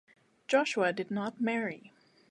Joshua did not marry.